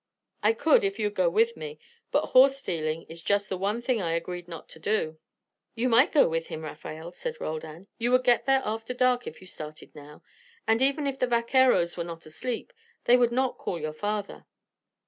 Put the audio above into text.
"I could, if you'd go with me; but horse stealing is just the one thing I agreed not to do." "You might go with him, Rafael," said Roldan. "You would get there after dark if you started now; and even if the vaqueros were not asleep they would not call your father."